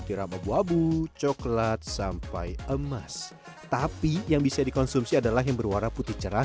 tiram abu abu coklat sampai emas tapi yang bisa dikonsumsi adalah yang berwarna putih cerah